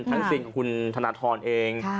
ทั้งซีนของคุณธนทรเอง